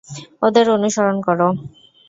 ওদের অনুসরণ করো।